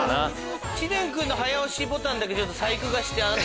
知念君の早押しボタンだけちょっと細工がしてある？